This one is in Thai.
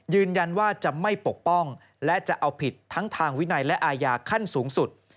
ยืนยันว่าจะไม่ปกป้องและจะเอาผิดทั้งทางวินัยและอาญาขั้นสูงสุด